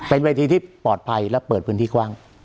เป็นเวทีที่ปลอดภัยและเปิดพื้นที่กว้าง